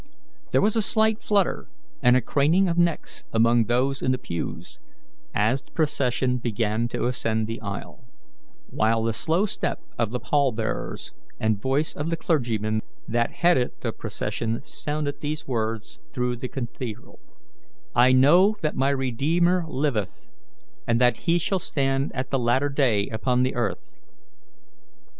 There was a slight flutter and a craning of necks among those in the pews, as the procession began to ascend the aisle. While the slow step of the pallbearers and those carrying the coffin sounded on the stone floor, the clear voice of the clergyman that headed the procession sounded these words through the cathedral: "I know that my Redeemer liveth, and that He shall stand at the latter day upon the earth."